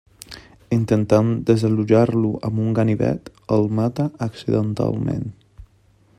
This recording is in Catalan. Intentant desallotjar-lo amb un ganivet, el mata accidentalment.